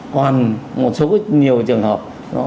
còn một số có nhiều trường hợp